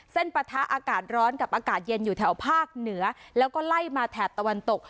ปะทะอากาศร้อนกับอากาศเย็นอยู่แถวภาคเหนือแล้วก็ไล่มาแถบตะวันตก